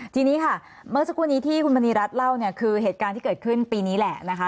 ทีนี้ค่ะเมื่อสักครู่นี้ที่คุณมณีรัฐเล่าเนี่ยคือเหตุการณ์ที่เกิดขึ้นปีนี้แหละนะคะ